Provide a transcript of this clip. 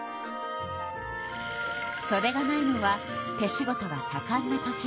そでがないのは手仕事がさかんな土地ならでは。